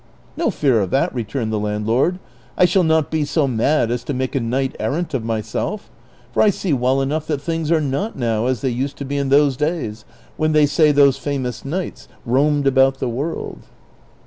" No fear of that," returned the landlord ;'' I shall not be so mad as to make a knight errant of myself ; for I see well enough that things are not noAV as they used to be in those days, when they say those famous knights roamed about the world."